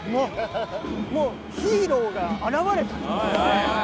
もうヒーローが現れた目の前に。